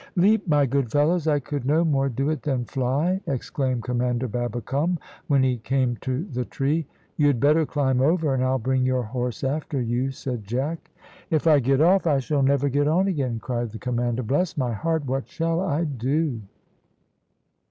"Leap, my good fellows? I could no more do it than fly!" exclaimed Commander Babbicome, when he came to the tree. "You had better climb over, and I'll bring your horse after you," said Jack. "If I get off, I shall never get on again," cried the commander. "Bless my heart, what shall I do?"